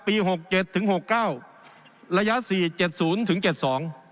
หกเจ็ดถึงหกเก้าระยะสี่เจ็ดศูนย์ถึงเจ็ดสอง